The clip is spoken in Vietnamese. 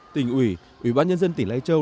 tỉnh ủy ủy ban nhân dân tỉnh lai châu